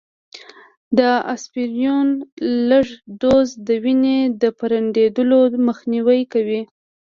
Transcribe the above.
د اسپرينو لږ ډوز، د وینې د پرنډېدلو مخنیوی کوي